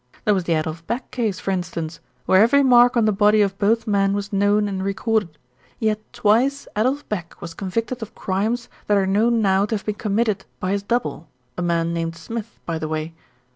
"There was the Adolf Beck case, for instance, where every mark on the body of both men was known and recorded; yet twice Adolf Beck was convicted of crimes that are known now to have been committed by his double, a man named Smith, by the way.